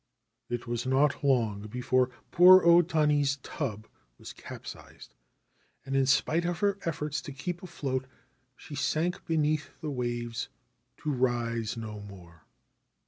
It was not long before poor O Tani's tub was capsized, and in spite of her efforts to keep afloat she sank beneath the waves to rise no more.